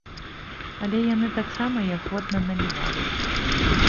Але яны таксама і ахвотна налівалі.